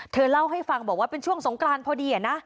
เธอเล่าให้ฟังบอกว่าเป็นช่วงสงกรานพอดีนะ